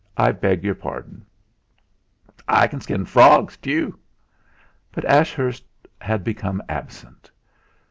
I beg your pardon." "I can skin frogs, tu." But Ashurst had become absent.